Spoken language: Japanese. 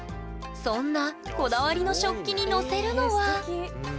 そんなこだわりの食器に載せるのはへえすてき。